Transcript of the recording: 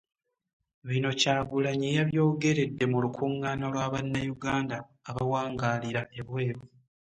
Bino Kyagulanyi yabyogeredde mu lukungaana lwa bannayuganda abawangaalira ebweru